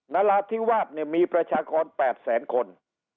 นราธิวาสมีประชาคม๘แสนคน